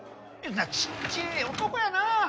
ちっちぇえ男やな！